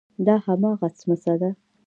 دا هماغه څمڅه ده.